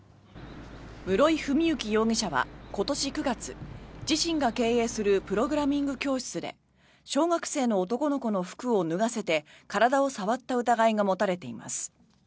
室井史行容疑者は今年９月自身が経営するプログラミング教室で小学生の男の子の服を脱がせて体を触った疑いが持たれています。